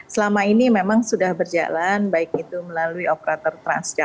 selama ini memang sudah berjalan baik itu melalui operator transjakarta